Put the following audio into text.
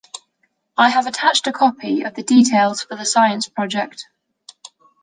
I have attached a copy of the details for the science project.